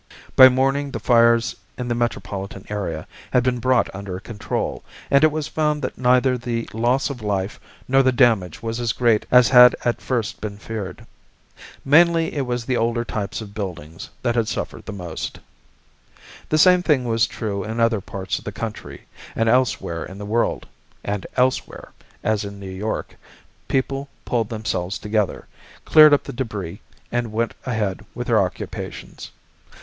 By morning the fires in the metropolitan area had been brought under control and it was found that neither the loss of life nor the damage was as great as had at first been feared. Mainly it was the older types of buildings that had suffered the most. The same thing was true in other parts of the country and elsewhere in the world; and elsewhere, as in New York, people pulled themselves together, cleared up the debris, and went ahead with their occupations.